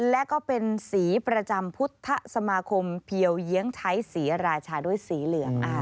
และก็เป็นสีประจำพุทธสมาคมเพียวเยียงใช้สีราชาด้วยสีเหลือง